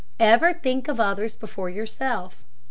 Ever think of others before yourself.